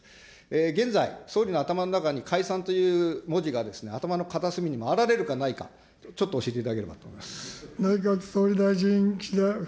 現在、総理の頭の中に、解散という文字が頭の片隅にあられるか、ないか、ちょっと教えていただければと思います。